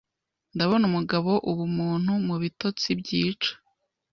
Ndabona Umugabo Ubumuntu Mubitotsi Byica